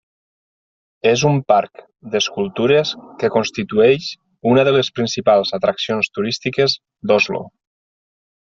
És un parc d'escultures que constitueix una de les principals atraccions turístiques d'Oslo.